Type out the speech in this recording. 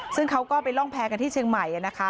ซึ่งเขาก็ไปร่องแพ้กันที่เชียงใหม่นะคะ